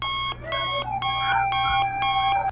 خو ځيني شتمني ښځي به يې